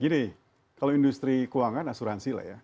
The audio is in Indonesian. gini kalau industri keuangan asuransi lah ya